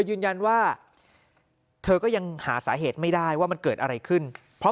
ยืนยันว่าเธอก็ยังหาสาเหตุไม่ได้ว่ามันเกิดอะไรขึ้นเพราะ